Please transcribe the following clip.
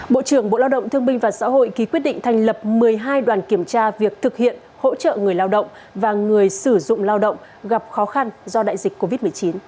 bộ trưởng bộ lao động thương binh và xã hội ký quyết định thành lập một mươi hai đoàn kiểm tra việc thực hiện hỗ trợ người lao động và người sử dụng lao động gặp khó khăn do đại dịch covid một mươi chín